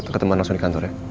ketemuan langsung di kantor ya